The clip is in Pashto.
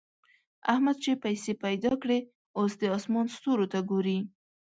احمد چې پيسې پیدا کړې؛ اوس د اسمان ستورو ته ګوري.